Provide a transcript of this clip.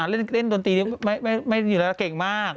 เล่นตัวนตีไม่อยู่แล้วเก่งมาก